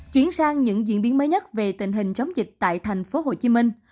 chuyển sang những diễn biến mới nhất về tình hình chống dịch tại thành phố hồ chí minh